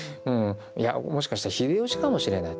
いやもしかしたら秀吉かもしれない。